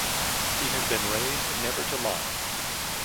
He has been raised never to lie.